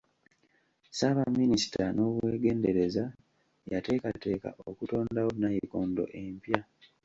Ssabaminisita n'obwegendereza yateekateeka okutondawo nayikondo empya.